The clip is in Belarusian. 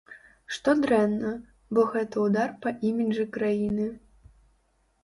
Што дрэнна, бо гэта ўдар па іміджы краіны.